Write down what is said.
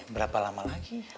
berapa lama lagi